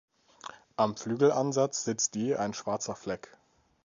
Am Flügelansatz sitzt je ein schwarzer Fleck.